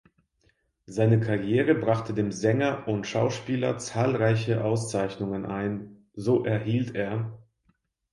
Seine Karriere brachte dem Sänger und Schauspieler zahlreiche Auszeichnungen ein, so erhielt er